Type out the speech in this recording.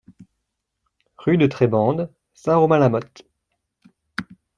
Rue de Trebande, Saint-Romain-la-Motte